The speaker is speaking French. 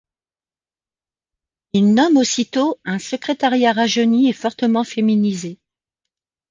Il nomme aussitôt un secrétariat rajeuni et fortement féminisé.